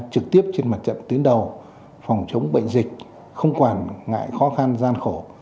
trực tiếp trên mặt trận tuyến đầu phòng chống bệnh dịch không quản ngại khó khăn gian khổ